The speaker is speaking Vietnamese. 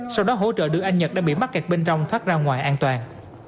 sau đó hỗ trợ đưa anh nhật đã bị mắc kẹt bên trong thoát ra ngoài an toàn